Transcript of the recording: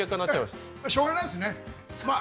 しょうがないですね。